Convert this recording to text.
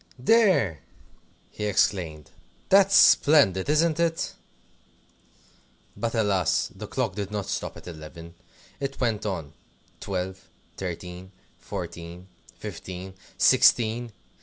"There!" he exclaimed; "that's splendid, isn't it?" But alas! the clock did not stop at eleven. It went on Twelve, Thirteen, Fourteen, Fifteen, Sixteen!